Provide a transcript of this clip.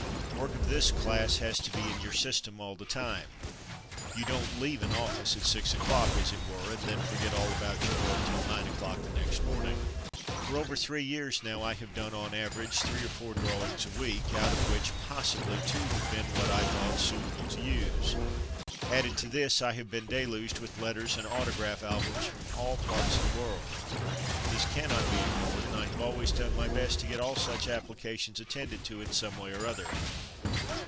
Work of this class has to be in your system all the time. You don't leave an office at six o'clock, as it were, and then forget all about your work till nine o'clock next morning. For over three years now I have done on an average three or four drawings a week, out of which, possibly, two have been what I thought suitable to use. Added to this, I have been deluged with letters and auto graph albums from all parts of the world. These cannot be ignored, and I have always done my best to get all such applications attended to in some way or other.